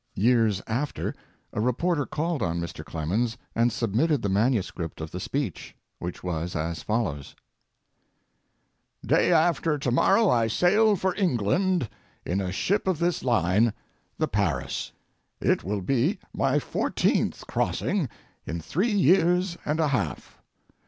Years after a reporter called on Mr. Clemens and submitted the manuscript of the speech, which was as follows: Day after to morrow I sail for England in a ship of this line, the Paris. It will be my fourteenth crossing in three years and a half.